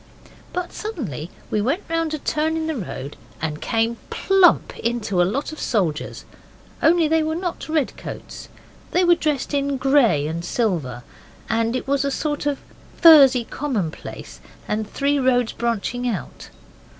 But suddenly we went round a turn in the road and came plump into a lot of soldiers. Only they were not red coats. They were dressed in grey and silver. And it was a sort of furzy common place, and three roads branching out.